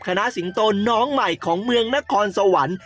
สิงโตน้องใหม่ของเมืองนครสวรรค์